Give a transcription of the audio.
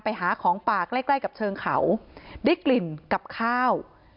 ไปหาของป่าใกล้ใกล้กับเชิงเขาได้กลิ่นกับข้าว